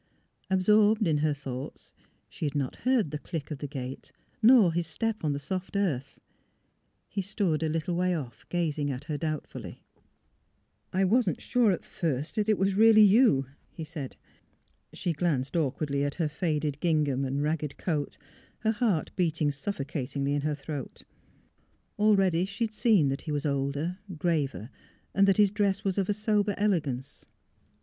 Absorbed in her thoughts, she had not heard the click of the gate nor his step on the soft earth. He stood, a little way off, gazing at her doubtfully. *' I — wasn't sure at first that it was really you," he said. She glanced awkwardly at her faded gingham and ragged coat, her heart beating suffocatingly in her throat. Already she had seen that he was MILLY 361 older, graver, and that his dress was of a sober elegance.